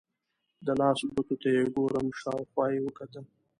د لاس ګوتو ته یې ګورم، شاوخوا یې وکتل.